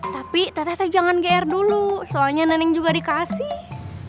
tapi teh teh jangan gr dulu soalnya nenek juga dikasih